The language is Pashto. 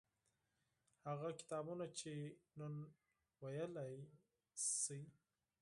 هغه کتابونه چې نن لوستلای شئ